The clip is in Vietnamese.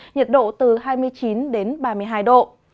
nhiệt độ từ hai mươi chín đến ba mươi hai độ